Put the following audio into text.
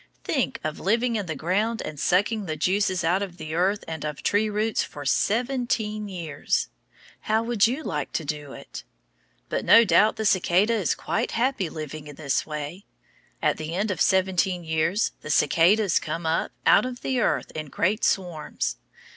Think of living in the ground and sucking the juices out of the earth and of tree roots for seventeen years! How would you like to do it? But no doubt the cicada is quite happy living in this way. At the end of seventeen years the cicadas come up out of the earth in great swarms.